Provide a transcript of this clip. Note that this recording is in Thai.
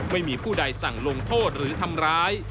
ไม่มีผู้ใดสั่งลงโทษหรือทำร้าย